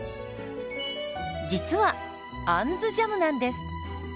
実は「あんずジャム」なんです。